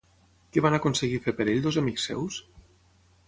Què van aconseguir fer per ell dos amics seus?